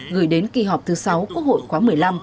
gửi đến kỳ họp thứ sáu quốc hội khóa một mươi năm